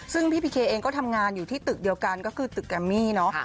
ซึ่งพี่พีเคเองก็ทำงานอยู่ที่ตึกเดียวกันก็คือตึกแกมมี่เนอะ